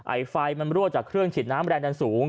ไอไฟมันรั่วจากเครื่องฉีดน้ำแรงดันสูง